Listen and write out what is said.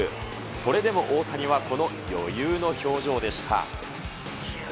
それでも大谷はこの余裕の表情でした。